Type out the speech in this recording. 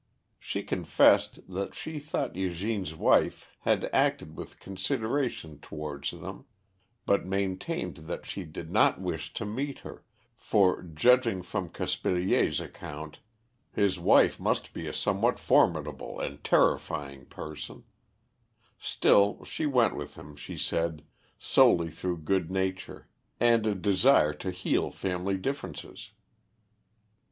She confessed that she thought Eugène's wife had acted with consideration towards them, but maintained that she did not wish to meet her, for, judging from Caspilier's account, his wife must be a somewhat formidable and terrifying person; still she went with him, she said, solely through good nature, and a desire to heal family differences.